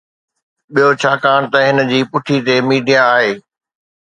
ٻيو، ڇاڪاڻ ته هن جي پٺي تي ميڊيا آهي.